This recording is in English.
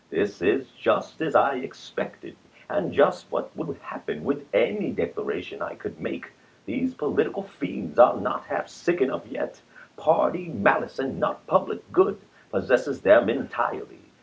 This is just as I expected, and just what would happen with any declaration I could make. These political fiends are not half sick enough yet. Party malice, and not public good, possesses them entirely.